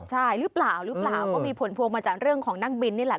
ใช่รึเปล่าก็มีผลพวงมาจากเรื่องของนักบินนี่แหละ